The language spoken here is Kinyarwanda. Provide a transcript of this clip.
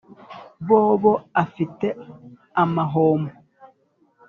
Bobo afite amahombo